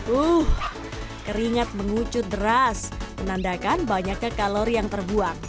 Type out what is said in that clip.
uh keringat mengucut deras menandakan banyaknya kalori yang terbuang